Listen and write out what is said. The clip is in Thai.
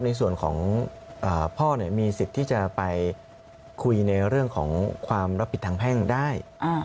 ในส่วนของพ่อมีสิทธิ์ที่จะไปคุยในเรื่องของความรับผิดทางแพ่งได้